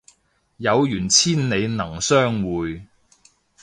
有緣千里能相會